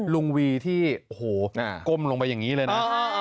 ลุงวีที่ก้มลงไปอย่างนี้เลยนะ